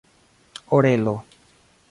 orelo